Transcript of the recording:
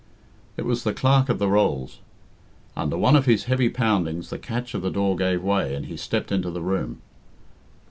It was the Clerk of the Rolls. Under one of his heavy poundings the catch of the door gave way, and he stepped into the room.